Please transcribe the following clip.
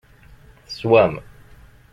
Teswam.